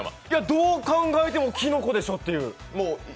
どう考えてもきのこでしょっていう。